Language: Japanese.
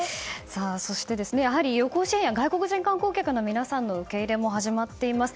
そしてやはり、旅行支援や外国人観光客の皆さんの受け入れも始まっています。